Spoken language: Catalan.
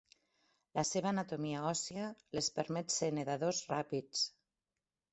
La seva anatomia òssia les permet ser nedadors ràpids.